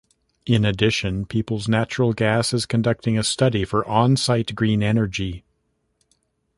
In addition, Peoples Natural Gas is conducting a study for on-site green energy.